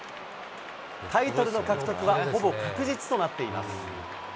タイトルの獲得はほぼ確実となっています。